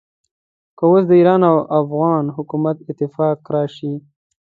که اوس د ایران او افغان حکومت اتفاق راشي.